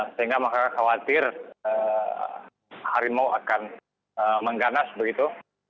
sehingga maka khawatir harimau akan mengganas begitu